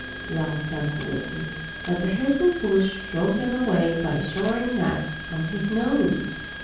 laughed Uncle Wiggily. "But the hazel bush drove him away by showering nuts on his nose."